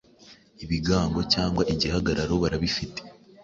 ibigango cyangwa igihagararo barabifite